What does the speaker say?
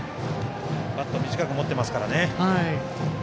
バット短く持ってますからね。